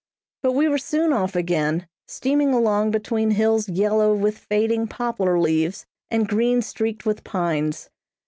] But we were soon off again, steaming along between hills yellow with fading poplar leaves and green streaked with pines.